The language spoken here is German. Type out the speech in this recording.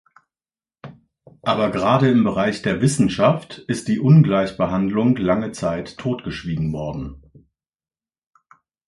Aber gerade im Bereich der Wissenschaft ist die Ungleichbehandlung lange Zeit totgeschwiegen worden.